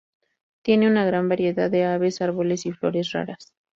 Tiene una gran variedad de aves, árboles y flores raras.